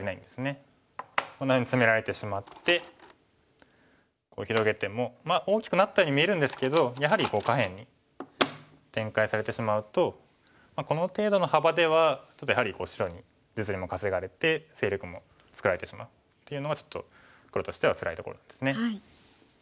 こんなふうにツメられてしまって広げても大きくなったように見えるんですけどやはり下辺に展開されてしまうとこの程度の幅ではちょっとやはり白に実利も稼がれて勢力も作られてしまうっていうのがちょっと黒としてはつらいところですね。